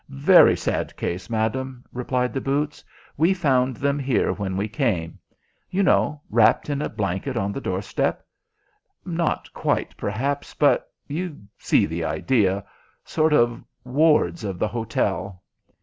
"Very sad case, madam," replied the boots. "We found them here when we came. You know wrapped in a blanket on the doorstep. Not quite, perhaps, but you see the idea. Sort of wards of the hotel."